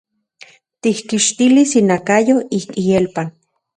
Tikkixtilis inakayo ik ielpan.